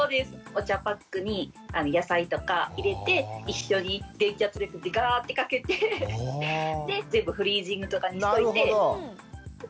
お茶パックに野菜とか入れて一緒に電気圧力でガーッてかけてで全部フリージングとかにしといて楽してました。